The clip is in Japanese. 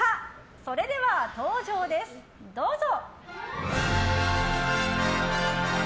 それでは登場です、どうぞ。